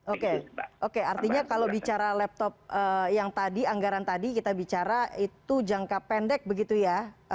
oke oke artinya kalau bicara laptop yang tadi anggaran tadi kita bicara itu jangka pendek begitu ya